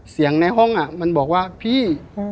เสียงในห้องมันบอกว่าพี่